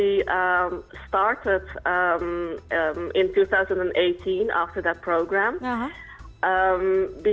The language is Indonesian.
pada tahun dua ribu delapan belas setelah program itu